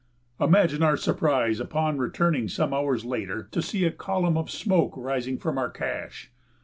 Imagine our surprise, upon returning some hours later, to see a column of smoke rising from our cache.